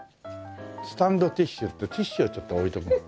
スタンドティッシュってティッシュをちょっと置いとくの。